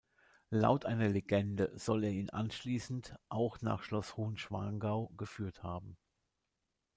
Laut einer Legende soll er ihn anschließend auch nach Schloss Hohenschwangau geführt haben.